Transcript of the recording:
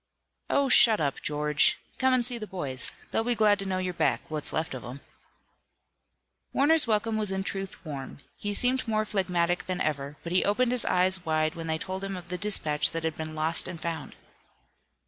"Oh, shut up, George! Come and see the boys. They'll be glad to know you're back what's left of 'em." Warner's welcome was in truth warm. He seemed more phlegmatic than ever, but he opened his eyes wide when they told him of the dispatch that had been lost and found.